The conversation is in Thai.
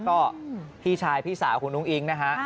ก็พี่ชายพี่สาวคุณอุ้งอิ๊งนะฮะ